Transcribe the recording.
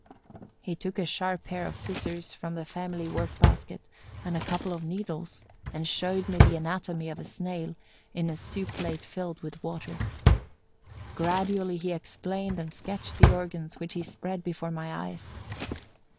He took a sharp pair of scissors from the family work basket and a couple of needles, and showed me the anatomy of a snail in a soup plate filled with water. Gradually he explained and sketched the organs which he spread before my eyes.